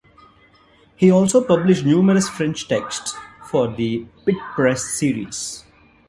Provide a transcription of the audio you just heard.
He also published numerous French texts for the Pitt Press series.